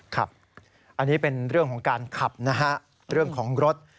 ครับอันนี้เป็นเรื่องของการขับนะฮะเรื่องของรถ